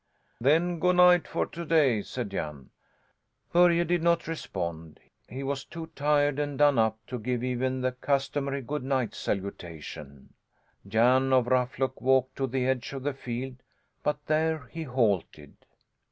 "Then go' night for to day," said Jan. Börje did not respond. He was too tired and done up to give even the customary good night salutation. Jan of Ruffluck walked to the edge of the field; but there he halted.